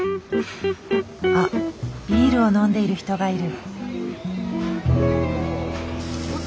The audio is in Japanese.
あっビールを飲んでいる人がいる。